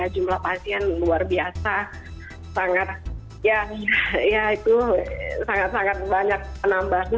jumlah pasien luar biasa sangat banyak penambahan